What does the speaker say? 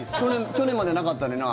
去年まではなかったのになあ。